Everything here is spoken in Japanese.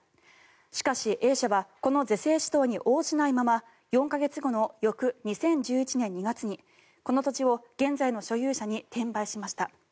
しかし、Ａ社はこの是正指導に応じないまま４か月後の翌２０１１年２月にこの土地を現在の所有者に転売しました。